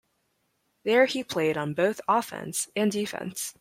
There he played on both offense and defense.